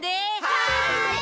はい！